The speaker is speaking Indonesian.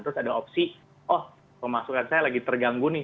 terus ada opsi oh pemasukan saya lagi terganggu nih